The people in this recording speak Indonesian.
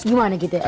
gimana gitu ya